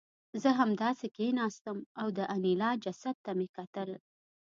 زه همداسې کېناستم او د انیلا جسد ته مې کتل